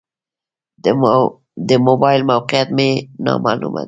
د موبایل موقعیت مې نا معلومه ده.